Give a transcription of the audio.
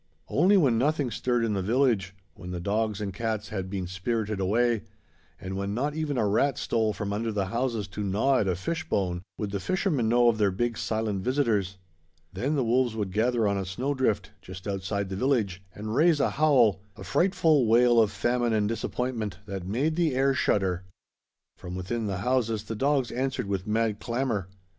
Only when nothing stirred in the village, when the dogs and cats had been spirited away, and when not even a rat stole from under the houses to gnaw at a fishbone, would the fishermen know of their big silent visitors. Then the wolves would gather on a snow drift just outside the village and raise a howl, a frightful wail of famine and disappointment, that made the air shudder. From within the houses the dogs answered with mad clamor.